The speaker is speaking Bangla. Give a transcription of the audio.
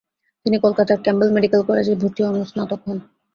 তিনি কলকাতার ক্যাম্বেল মেডিক্যাল স্কুলে ভর্তি হন ও স্নাতক হন।